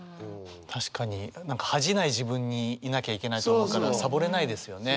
確かに恥じない自分にいなきゃいけないと思うからサボれないですよね。